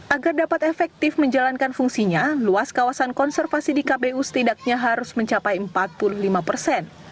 agar dapat efektif menjalankan fungsinya luas kawasan konservasi di kpu setidaknya harus mencapai empat puluh lima persen